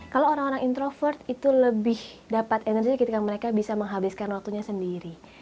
kalau orang orang introvert itu lebih dapat energi ketika mereka bisa menghabiskan waktunya sendiri